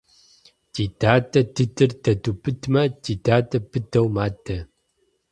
Ди дадэ дыдыр дэдубыдмэ, ди дадэ быдэу мадэ.